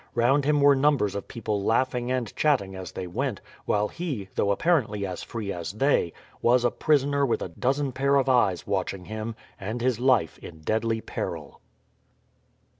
Round him were numbers of people laughing and chatting as they went, while he, though apparently as free as they, was a prisoner with a dozen pair of eyes watching him, and his life in deadly peril.